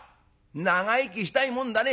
長生きしたいもんだね。